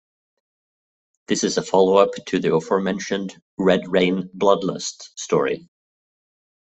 This is a follow-up to the aforementioned "Red Rain: Blood Lust" story.